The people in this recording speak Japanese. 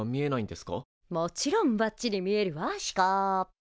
もちろんばっちり見えるわシュコー。